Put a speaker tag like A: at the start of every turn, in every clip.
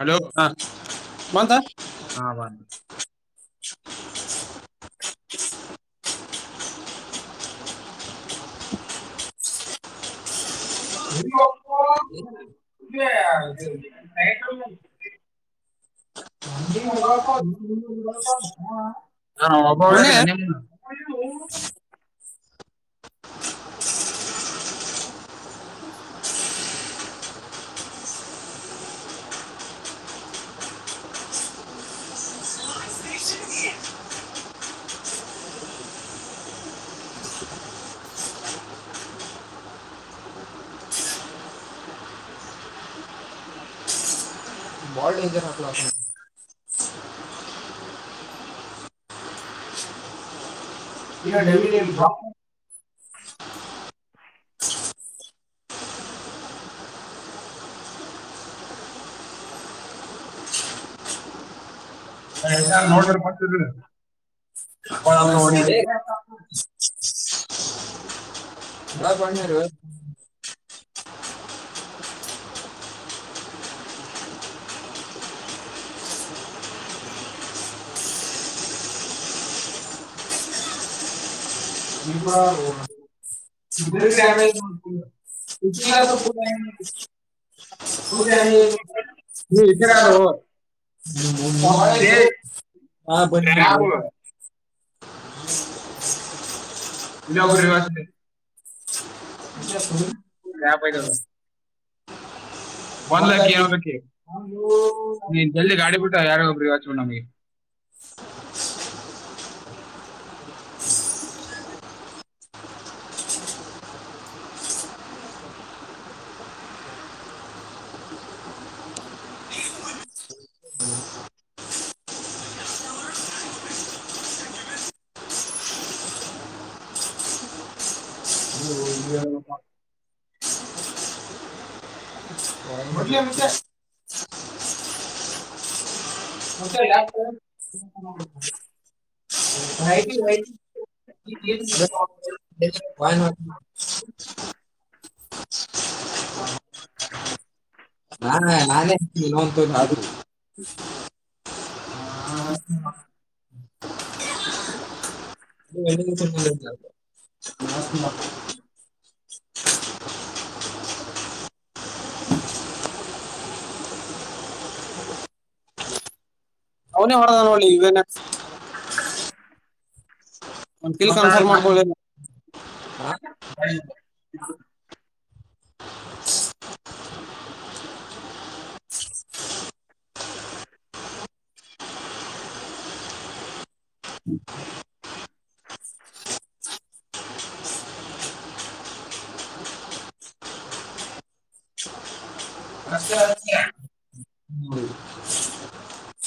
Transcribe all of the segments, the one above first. A: hello ಹಾ [inaudible] [inaudible] ನ ಒಬ್ಬಳ್ಳ ನಿಮ್ಮ
B: [unintelligible] ಬಹಳ ಡೆೇಂಜರ್ ಹಕ್ಲ ಈ ಡೆಬಮಾ
A: ನೋಡ್ರಿ ಬತಿದ ಒಪ್ಪ ಆತ ಹೊಡಿ [unintelligible] ಹೌ ಇ ಡಮ ಇ [inaudible]
B: ಗೆ ಹ ಬ [inaudible] [unintelligible]
A: ಇಲ್ಲಪವಾಸ [inaudible] ನ ಪ ತರ [inaudible] ಒಂದಕ್ಕೆ ಯಾವಕ್ಕೆ ಜಲ್ದಿ ಗಾಡಿ ಬಿುಟ್ಟ ಯಾರೋಬ್ಬರಿವಚನ್ನ ಹ್ಮಳ
B: ಮ ವಿಷ ಮೆ ತ [inaudible]
A: ಹ
B: ರ ಹಾ ನಾನ ನ ತ ನಕು
A: ಹ
B: ಒಳ್ಳ [inaudible] ಅವನ ಅವಡ ನಾನ ಒಳ್ಳಿ ಇನ್ನ ಒ ಕನ್ಫರ್ಮ ಮಾಡ್ಬ [inaudible] ಹ್ಮ್ ಹ [unintelligible]
A: ಹ್ಮ
B: [unintelligible] ಅ ಹ್ಮ
A: [inaudible]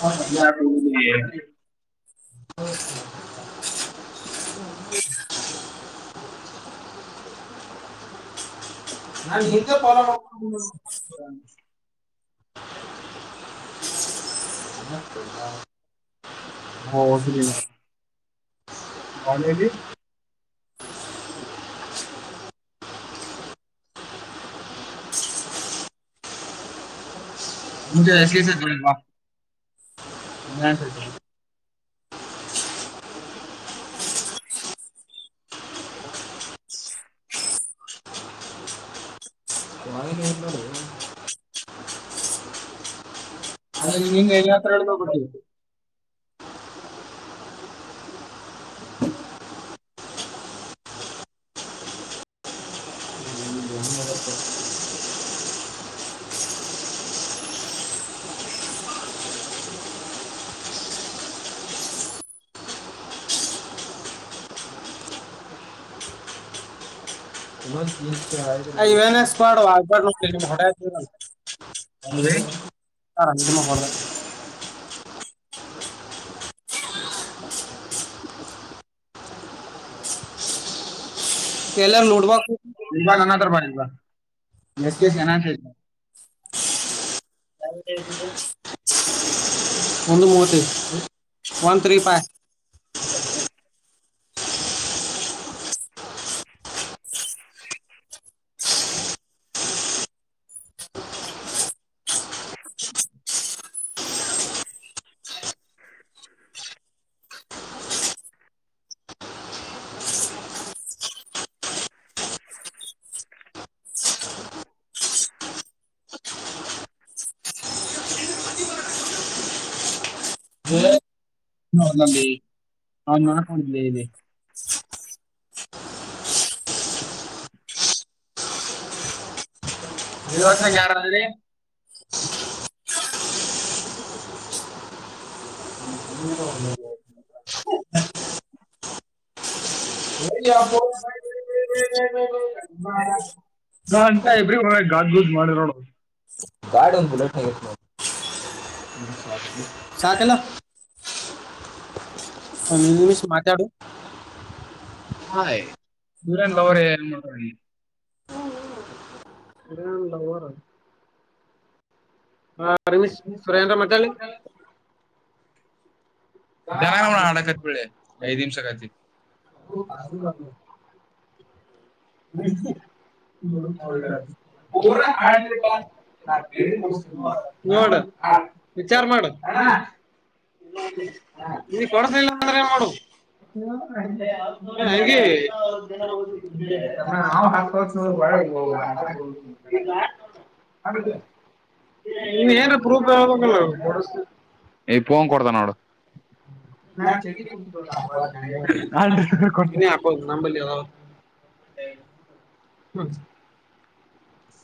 A: ಫಸ [unintelligible] ಹ್ಮ [inaudible] [inaudible] [unintelligible] ಕನ್ಜಿ [unintelligible] ಹಾ ಸರ್ ಸಿ ಅದ ನಿ ಏ ಹತ್ರ ಹೇಳ್ ಬಿಟ್ಟು
B: [unintelligible] ಐವೆನಸ್ ಮಾಡುವ [unintelligible]
A: ಹ ರೀ
B: ಹಾ ನಿದುಮ ಬ ಎಲ್ಲರ್ ನೋಟಬ
A: ಎಸ್ ಎಸ್ ಎನ ಜನ [unintelligible]
B: [unintelligible] ಒಂದು ಮೂವತ್ತ ಐದ್ ಒನ್ ತ್ರೀ ಫಾಯ್
A: ಹ ನೋಲ್ಲೇ ಹ ನ ಕೊಣಿಲ್ಲ ಎ ವರ್ಷ ಯಾರಂದೆ ಹೂ ನಾ ಅಂಟಾ ಬ್ರ ಮ ಗಾಜ ಗೂಜ ಮಾಡರೋ
B: ಗಾರ್ಡ್ ಒಂದು ಬಟ್ನ ಶ ಕಲ್ಲ ಅವ ನಿ ನಿಮಿಷ ಮಾತಾಡು
A: ಹಯ್ ಸೂರನ್ ಲ ಅವರ ಏನ್ ಮಾಡ್ತ
B: ಅಲ್ಲ ರ ಹ್ಮ ಪರ್ಮಿಶ್ ಸುರನ್ ಮಟಾಳಿ
A: [unintelligible] [unintelligible]
B: ನೋ ವಿಚಾರ ಮಾಡ
A: ನಾ ಹಾಕ [unintelligible] ಕೊಡ್ತ ನೋಡು
B: [unintelligible] ನಂಬಲ್ಲಿ ಅದ
A: ಹ್ಮ
B: ಹ್ಮ
A: ಏ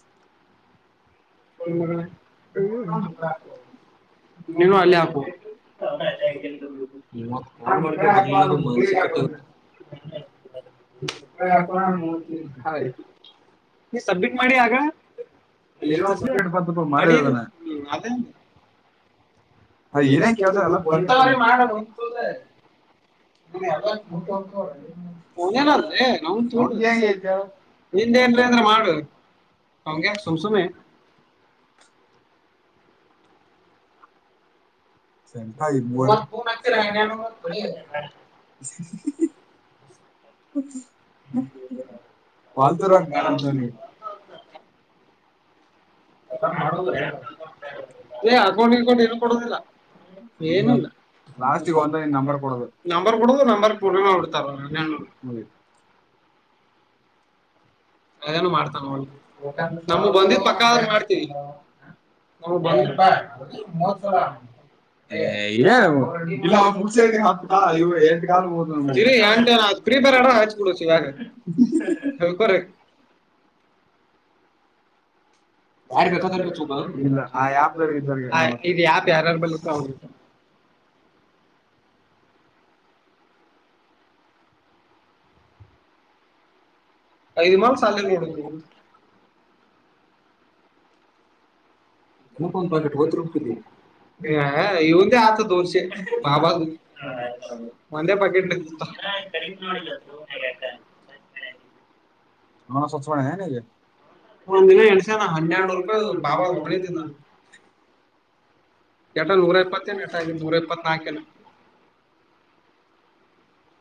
B: ಹ್ಮ್
A: ಹ
B: ನೀ ಸಬ್ಮಿಟ್ ಮಾಡಿ ಆಗ ಏನ
A: ಡು ಪತ್ತುಪ ಮಾಡಿದಾನ ಹ ಏನ್ ಕೇಳ್ತ ಎಲ್ಲಡ [inaudible] [unintelligible] ಒಂದಂಬರ್ ಕೊಡ [unintelligible] [unintelligible]
B: [unintelligible] ಯಾರ ಬ ಕ ಯ ಯಾರ ಬ ಇದು ಮಾಡ ಸಾಲರಿನು
A: [unintelligible] ಮನ ಸವಚ್ಛ ಮ ಹ ನ
B: ಒಂದ್ ದಿನ ಎ್ಸ ನಾ ಹನ್ನೆಡುನರು ರೂಪಾಯಿ ಬಾ
A: ಹ್ಮ್
B: ಎಟಾ ನೂರ ಎಪ್ಪತ್ತೇನೆ ಎಟಾ ಇಲ್ಲಿ ನೂರ ಎಪ್ಪತ್ ನಾಲ್ಕನ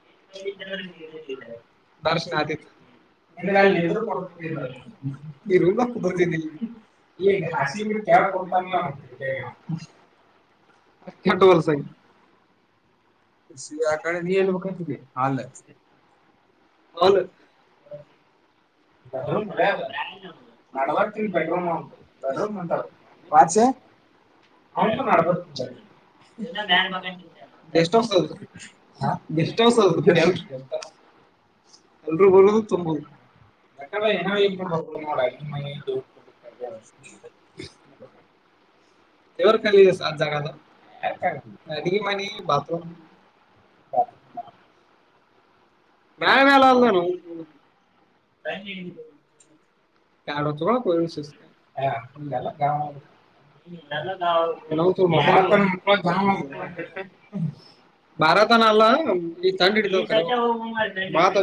A: [unintelligible] ಯ ಕಡೆ ನೀ ಎಲ್ಲ ಹಾಲ [inaudible]
B: [unintelligible] ಮನೋಡ ಇವ ಕಾಲ ಸತ ಜಾಗಲ್ಲ ನಿಮ ಬಾ
A: [unintelligible] ಹ್ಮ
B: ಕ ಆಡತ ಶಿಸತ ಬಾರ ತಾನ ಆಲ್ಲ ಸಂಡ ಇ
A: ಮಾತ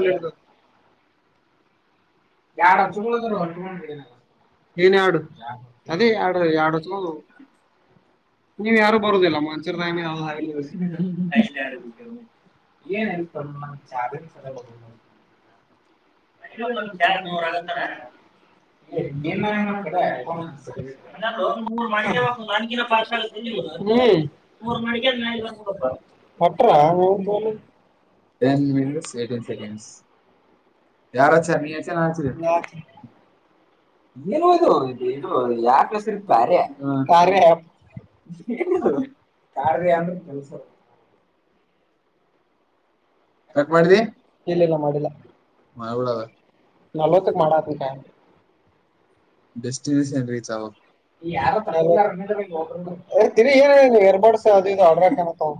A: ಯಾರ ಚರ ಹೊ ಆ ಅ ಆ ನೀ ವಾರ ಕೊವಲ್ಲ ನಿ ಏನ್
B: ಹ್ಮ್ ಅಟ್ರ
A: ಟ ಮಿನ ಕ ಯಾರ ನೀ ಇಲ್ಲಿ ಇ ವಸರ್ ಅದೆೇ ಯಾರ ಯಸ
B: ಇಲ್ಲ ಮಾಡಿಲ್ಲ ನಲ್ವತ್ತಕ್ ಮಾಡತ್ ಅ ತಿರಿ ಏ ವೇರ್ಬಡ್ಸ ಹದುದು ಹಡರೆನ ತ